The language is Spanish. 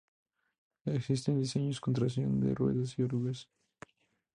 Existen diseños con tracción de ruedas y de orugas.